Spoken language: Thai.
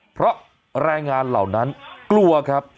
เพราะแรงงานเหล่านั้นกลัวครับ